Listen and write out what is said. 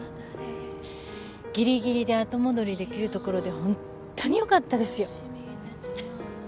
ぎりぎりで後戻りできるところでホントによかったですよ。